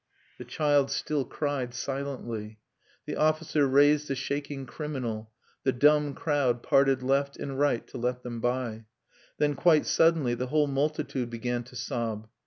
The child still cried silently. The officer raised the shaking criminal; the dumb crowd parted left and right to let them by. Then, quite suddenly, the whole multitude began to sob.